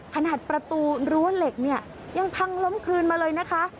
ขนาดประตูรั้วเหล็กเนี่ยยังพังล้มคืนมาเลยนะคะ